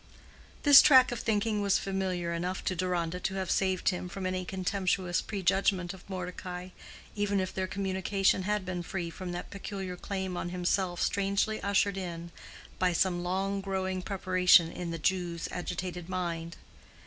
This track of thinking was familiar enough to Deronda to have saved him from any contemptuous prejudgment of Mordecai, even if their communication had been free from that peculiar claim on himself strangely ushered in by some long growing preparation in the Jew's agitated mind.